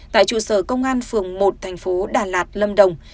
tại trụ sở công an phường một thành phố đà lạt lâm đồng